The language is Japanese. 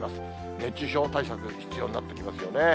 熱中症対策必要になってきますよね。